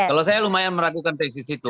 kalau saya lumayan meragukan tesis itu